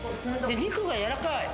肉がやわらかい。